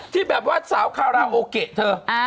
ที่แบบว่าสาวข้าวราวโอเคเถอะ